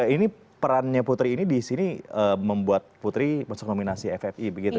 jadi ini perannya putri ini di sini membuat putri masuk nominasi ffi begitu ya